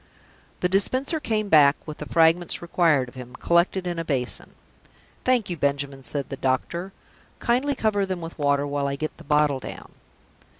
The Dispenser came back, with the fragments required of him, collected in a basin. "Thank you, Benjamin," said the doctor. "Kindly cover them with water, while I get the bottle down."